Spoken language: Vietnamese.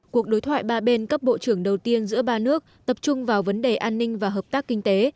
cuộc đối thoại ba bên cấp bộ trưởng đầu tiên giữa ba nước tập trung vào vấn đề an ninh và hợp tác kinh tế